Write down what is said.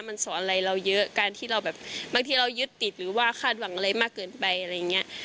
มันสอนอะไรเราเยอะบางทีเรายึดติดหรือว่าคาดหวังอะไรมากเกินไป